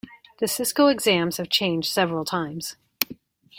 The Cisco exams have changed several times.